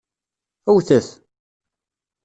Wwtet!